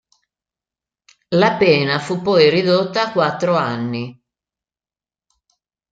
La pena fu poi ridotta a quattro anni.